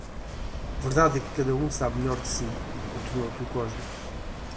Verdade é que cada um sabe melhor de si, continuou tio Cosme.